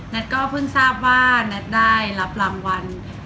ก็เพิ่งทราบว่านัทได้รับรางวัล